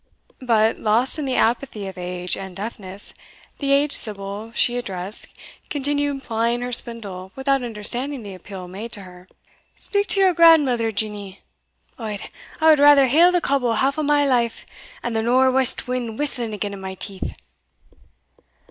but, lost in the apathy of age and deafness, the aged sibyl she addressed continued plying her spindle without understanding the appeal made to her. "Speak to your grandmither, Jenny Od, I wad rather hail the coble half a mile aff, and the nor wast wind whistling again in my teeth."